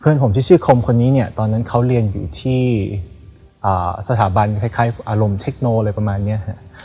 เพื่อนผมที่ชื่อคมคนนี้เนี่ยตอนนั้นเขาเรียนอยู่ที่สถาบันคล้ายอารมณ์เทคโนอะไรประมาณนี้ฮะ